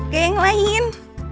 gaya yang lain